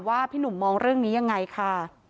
พี่หนุ่มมองเรื่องนี้ยังไงค่ะ